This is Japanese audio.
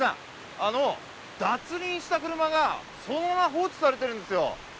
あの脱輪した車がそのまま放置されてるんですよ。